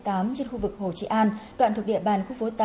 trên khu vực hồ trị an đoạn thuộc địa bàn khu phố tám